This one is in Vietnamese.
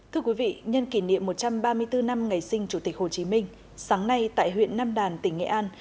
thưa quý vị nhân kỷ niệm một trăm ba mươi bốn năm ngày sinh chủ tịch hồ chí minh sáng nay tại huyện nam đàn tỉnh nghệ an